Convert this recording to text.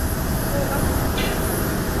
وہ وقت نہیں رہا۔